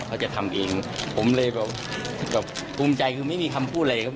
เขาจะทำเองผมเลยแบบภูมิใจคือไม่มีคำพูดอะไรครับ